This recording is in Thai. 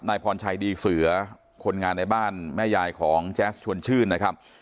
พรชัยดีเสือคนงานในบ้านแม่ยายของแจ๊สชวนชื่นนะครับ